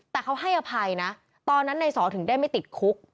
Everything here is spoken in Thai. แต่เขาให้อภัยนะตอนนั้นนายสอถึงได้ไม่ติดคุก